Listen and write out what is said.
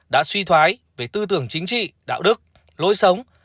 đã suy thoái về tư tưởng chính trị đạo đức lối sống